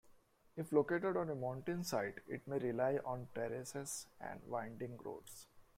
If located on a mountainside, it may rely on terraces and winding roads.